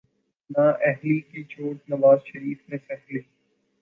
نااہلی کی چوٹ نواز شریف نے سہہ لی۔